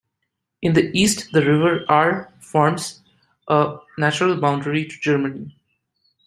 In the east, the river Our forms a natural boundary to Germany.